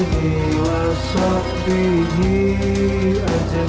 jadi makanya aku tepat saying